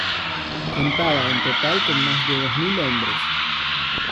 Contaba en total con más de dos mil hombres.